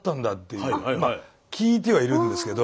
まあ聞いてはいるんですけど。